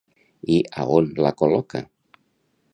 I a on la col·loca?